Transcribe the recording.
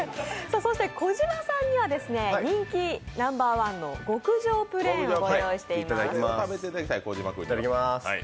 小島さんには人気ナンバーワンの極上プレーンをご用意しています。